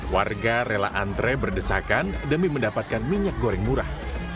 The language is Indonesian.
warga rela antre berdesakan demi mendapatkan minyak goreng murah